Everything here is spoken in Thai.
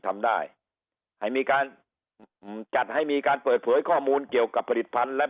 ทำได้ให้มีการจัดให้มีการเปิดเผยข้อมูลเกี่ยวกับผลิตภัณฑ์และ